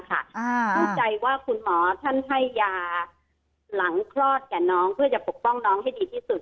เข้าใจว่าคุณหมอท่านให้ยาหลังคลอดแก่น้องเพื่อจะปกป้องน้องให้ดีที่สุด